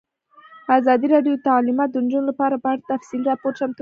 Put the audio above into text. ازادي راډیو د تعلیمات د نجونو لپاره په اړه تفصیلي راپور چمتو کړی.